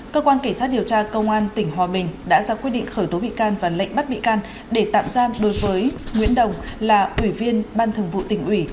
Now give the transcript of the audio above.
cơ quan cảnh sát điều tra công an tỉnh hòa bình đã ra quyết định khởi tố bị can và lệnh bắt bị can để tạm giam đối với nguyễn đồng là ủy viên ban thường vụ tỉnh ủy